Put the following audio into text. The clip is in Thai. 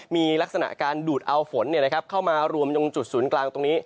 มีลักษณะการดูดเอาฝนเข้ามารวมตรงจุดศูนย์กลางตรงนี้